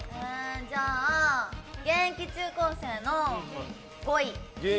じゃあ、現役中高生の５位。